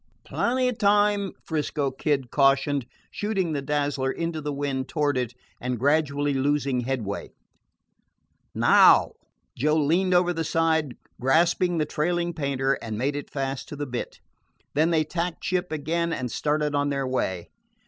"Plenty of time," 'Frisco Kid cautioned, shooting the Dazzler into the wind toward it and gradually losing headway. "Now!" Joe leaned over the side, grasped the trailing painter, and made it fast to the bitt. Then they tacked ship again and started on their way.